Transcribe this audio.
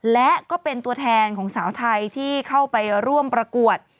และก็เป็นตัวแทนของสาวไทยที่เข้าไปร่วมประกวด